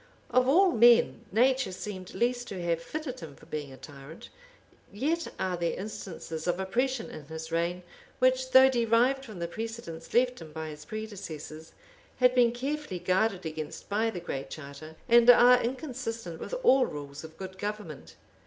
Of all men, nature seemed least to have fitted him for being a tyrant, yet are there instances of oppression in his reign, which, though derived from the precedents left him by his predecessors, had been carefully guarded against by the Great Charter, and are inconsistent with all rules of good government.